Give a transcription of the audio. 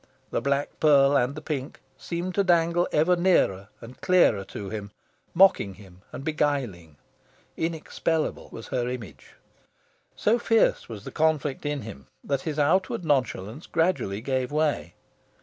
The black pearl and the pink seemed to dangle ever nearer and clearer to him, mocking him and beguiling. Inexpellible was her image. So fierce was the conflict in him that his outward nonchalance gradually gave way.